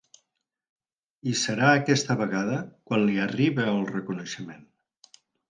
I serà aquesta vegada quan li arribe el reconeixement.